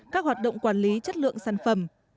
các hoạt động quản lý chất lượng sản phẩm